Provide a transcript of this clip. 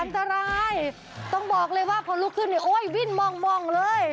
อันตรายต้องบอกเลยว่าพอลุกขึ้นเนี่ยโอ๊ยวิ่งม่องเลย